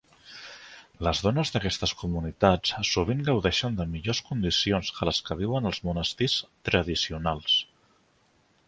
Les dones d'aquestes comunitats sovint gaudeixen de millors condicions que les que viuen als monestirs tradicionals.